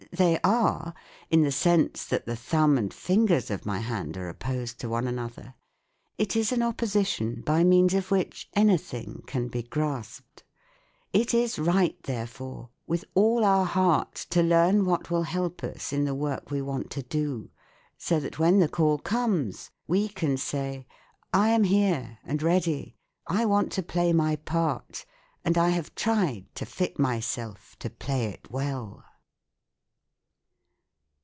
They are : in the sense that the thumb and fingers of my hand are opposed to one another. It is an opposition by means of which anything can be grasped. It is right, therefore, with all our heart to learn what will help us in the work we want to do, so that when the. call comes we can say, " I am here and ready ; I want to play my part, and I have tried to fit myself to play it well."